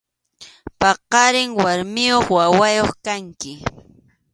Paqariq warmiyuq wawayuq kanki.